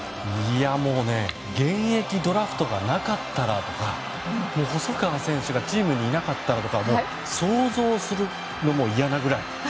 もう現役ドラフトがなかったらとか細川選手がチームにいなかったらと想像するのも嫌なくらい。